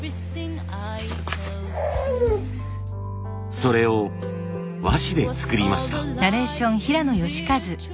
それを和紙で作りました。